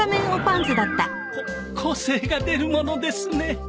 こ個性が出るものですね。